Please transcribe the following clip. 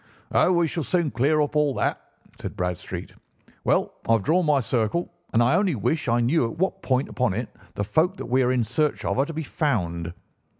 "Oh, we shall soon clear up all that," said Bradstreet. "Well, I have drawn my circle, and I only wish I knew at what point upon it the folk that we are in search of are to be found."